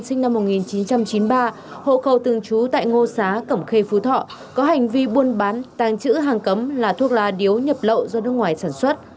sinh năm một nghìn chín trăm chín mươi ba hộ khẩu thường trú tại ngô xá cẩm khê phú thọ có hành vi buôn bán tàng chữ hàng cấm là thuốc lá điếu nhập lậu do nước ngoài sản xuất